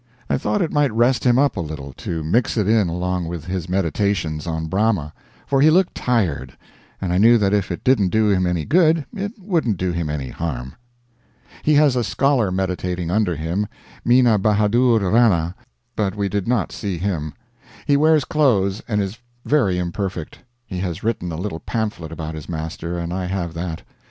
I thought it might rest him up a little to mix it in along with his meditations on Brahma, for he looked tired, and I knew that if it didn't do him any good it wouldn't do him any harm. He has a scholar meditating under him Mina Bahadur Rana but we did not see him. He wears clothes and is very imperfect. He has written a little pamphlet about his master, and I have that.